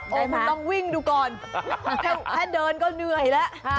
คุณต้องวิ่งดูก่อนถ้าเดินก็เหนื่อยแล้ว